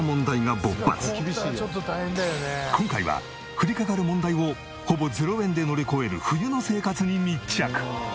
今回は降りかかる問題をほぼ０円で乗り越える冬の生活に密着。